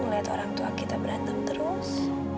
melihat orang tua kita berantem terus